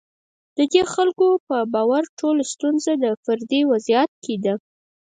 د دې خلکو په باور ټوله ستونزه په فردي وضعیت کې ده.